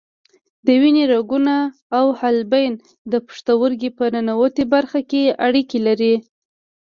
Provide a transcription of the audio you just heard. د وینې رګونه او حالبین د پښتورګي په ننوتي برخه کې اړیکې لري.